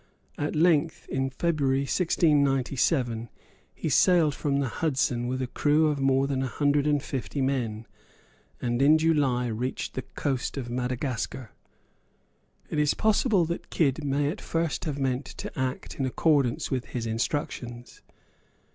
At length, in February 1697, he sailed from the Hudson with a crew of more than a hundred and fifty men, and in July reached the coast of Madagascar. It is possible that Kidd may at first have meant to act in accordance with his instructions.